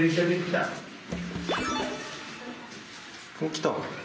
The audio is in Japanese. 来た。